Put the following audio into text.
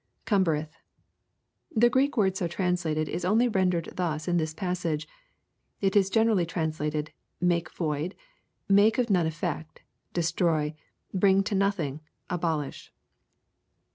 [Cumbereth.'] The Greek word so translated is only rendered thus in this passage. It is generally trainslated, "make void,'* — "make of none eflTect," — "destroy," — "bring to nothing," —« abolish."